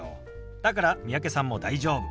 だから三宅さんも大丈夫。